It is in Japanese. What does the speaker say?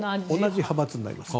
同じ派閥になります。